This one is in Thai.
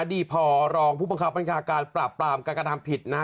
ดีพอรองผู้บังคับบัญชาการปราบปรามการกระทำผิดนะฮะ